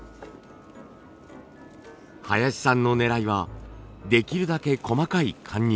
林さんのねらいはできるだけ細かい貫入。